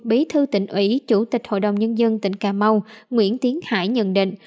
bí thư tỉnh ủy chủ tịch hội đồng nhân dân tỉnh cà mau nguyễn tiến hải nhận định